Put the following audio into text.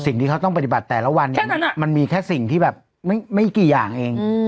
สิ่งที่เขาต้องปฏิบัติแต่ละวันเนี่ยมันมีแค่สิ่งที่แบบไม่กี่อย่างเอง